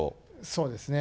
そうですね。